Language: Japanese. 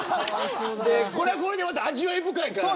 これはこれで味わい深いから。